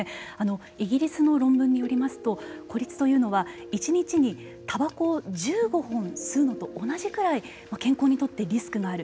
イギリスの論文によりますと孤立というのは１日にタバコを１５本吸うのと同じくらい健康にとってリスクがある。